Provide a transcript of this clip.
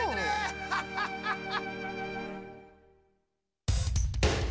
ハハハハ！